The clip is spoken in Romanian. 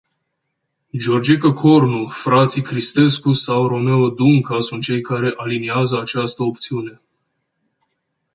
Georgică Cornu, frații Cristescu sau Romeo Dunca sunt cei care analizează această opțiune.